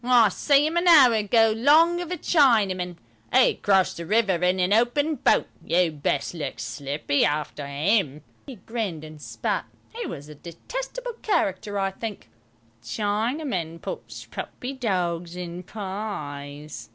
"I see 'im a hour ago 'long of a Chinaman. 'E crossed the river in a open boat. You'd best look slippy arter 'im." He grinned and spat; he was a detestable character, I think. "Chinamen puts puppy dogs in pies.